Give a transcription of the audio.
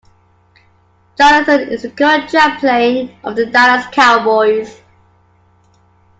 Jonathan is the current chaplain of the Dallas Cowboys.